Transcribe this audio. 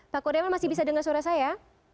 pak kurniawan masih bisa dengar suara saya